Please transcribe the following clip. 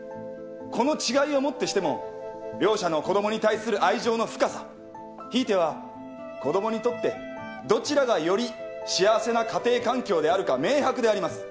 この違いをもってしても両者の子供に対する愛情の深さひいては子供にとってどちらがより幸せな家庭環境であるか明白であります。